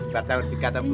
buat sahur juga bu